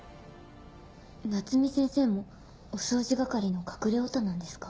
夏海先生もお掃除係の隠れオタなんですか？